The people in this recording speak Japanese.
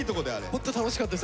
ほんと楽しかったです。